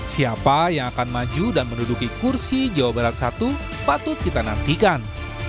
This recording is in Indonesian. siapa yang akan maju dan menduduki kursi jawa barat satu patut kita nantikan